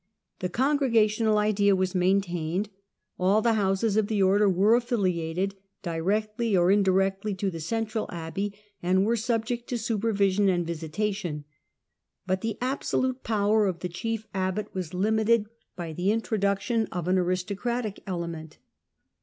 The congregational idea was maintained : all the houses of the Order were affiliated, directly or indirectly, to the central abbey, and were subject to supervision and visitation ; but the absolute power of the chief abbot was limited by the introduction of an aristocratic element.